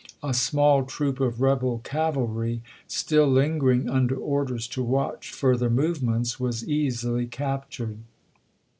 A small troop of rebel cavalry, still lingering under orders to watch further movements, was easily captured.